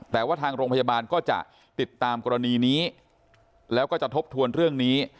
แต่ว่าทางโรงพยาบาลก็จะติดตามกรณีนี้แล้วก็จะทบทวนเรื่องนี้